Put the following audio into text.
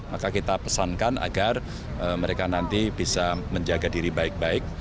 maka kita pesankan agar mereka nanti bisa menjaga diri baik baik